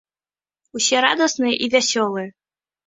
Усе радасныя і вясёлыя.